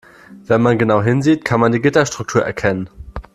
Wenn man genau hinsieht, kann man die Gitterstruktur erkennen.